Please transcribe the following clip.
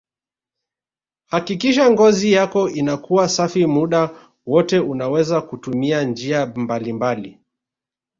Hakikisha ngozi yako inakuwa safi muda wote unaweza kutumia njia mbalimbali